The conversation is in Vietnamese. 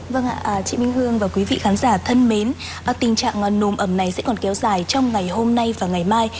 vâng ạ chị minh hương và quý vị khán giả thân mến tình trạng nồm ẩm này sẽ còn kéo dài trong ngày hôm nay và ngày mai